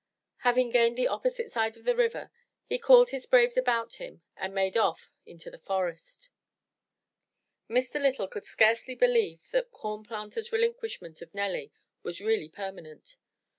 Having gained the opposite side of the river, he called his braves about him and made off into the forest. Mr. Lytle could scarcely believe that Corn Planter's relin quishment of Nelly was really permanent.